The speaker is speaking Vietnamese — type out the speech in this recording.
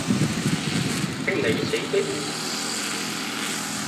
Cái nẩy sẩy cái ung